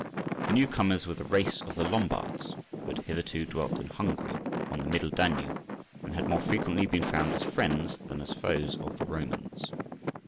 The new comers were the race of the Lombards, who had hitherto dwelt in Hungary, on the Middle Danube, and had more frequently been found as friends than as foes of the Romans.